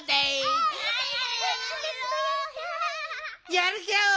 やるギャオ。